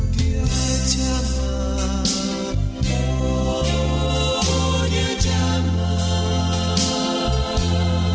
dia jaman dia jaman